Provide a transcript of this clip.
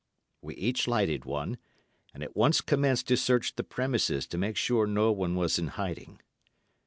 We each lighted one, and at once commenced to search the premises to make sure no one was in hiding.